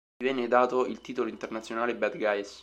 Gli venne dato il titolo internazionale "Bad Guys".